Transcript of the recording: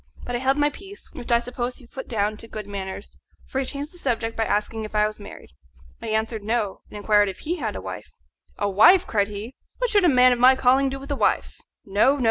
But I held my peace, which I suppose he put down to good manners, for he changed the subject by asking if I was married. I answered, No, and inquired if he had a wife. "A wife!" cried he; "what should a man of my calling do with a wife? No, no!